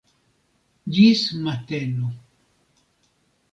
Ĝis mateno.